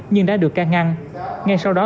nhưng đã được ca ngăn ngay sau đó